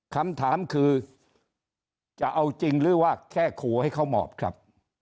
คำถามคือจะเอาจริงหรือว่าแค่ขู่ให้เขาหมอบครับ